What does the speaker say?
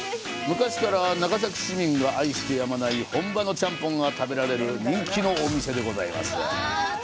昔から長崎市民が愛してやまない本場のちゃんぽんが食べられる人気のお店です。